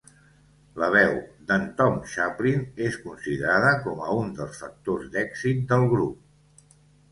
La veu d'en Tom Chaplin és considerada com a un dels factors d'èxit del grup.